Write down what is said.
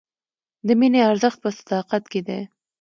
د مینې ارزښت په صداقت کې دی.